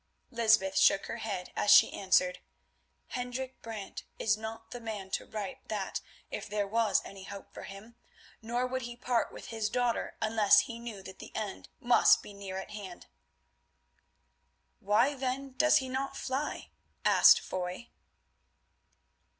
Lysbeth shook her head as she answered, "Hendrik Brant is not the man to write like that if there was any hope for him, nor would he part with his daughter unless he knew that the end must be near at hand." "Why, then, does he not fly?" asked Foy.